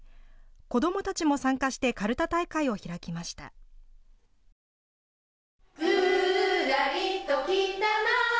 子どもたちも参加してカルタ大会を開きました。